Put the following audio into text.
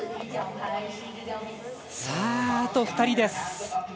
あと２人です。